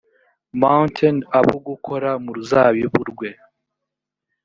mt abo gukora mu ruzabibu rwe